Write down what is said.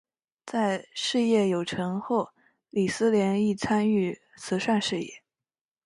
在事业有成后李思廉亦参与慈善事业。